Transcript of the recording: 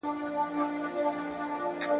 خر پیدا دی چي به وړي درانه بارونه ..